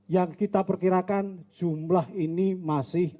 yang kita perkirakan jumlah ini masih